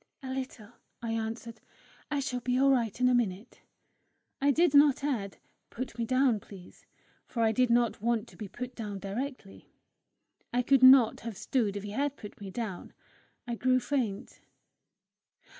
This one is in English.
"A little," I answered. "I shall be all right in a minute." I did not add, "Put me down, please;" for I did not want to be put down directly. I could not have stood if he had put me down. I grew faint.